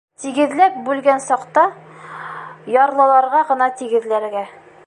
— Тигеҙләп бүлгән саҡта, ярлыларға ғына тигеҙләргә.